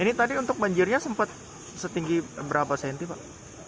ini tadi untuk banjirnya sempat setinggi berapa cm pak